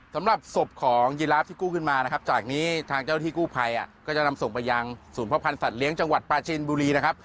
สำหรับศพของยีราฟที่กู้ขึ้นมานะครับจากนี้ทางเจ้าที่กู้ภัยก็จะนำส่งไปยังศูนย์พ่อพันธ์สัตว์เลี้ยงจังหวัดปลาชินบุรีนะครับ